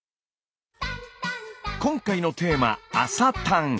今回のテーマ「朝たん」。